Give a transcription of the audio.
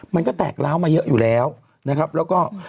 มันก็แตกร้าวมาเยอะอยู่แล้วนะครับแล้วก็